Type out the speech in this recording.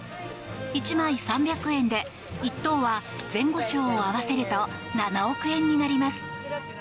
１枚３００円で１等は前後賞を合わせると７億円になります。